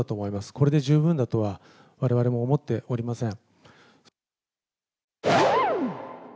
これで十分だとは、われわれも思っておりません。